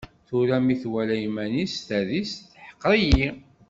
Tura mi twala iman-is s tadist, teḥqer-iyi.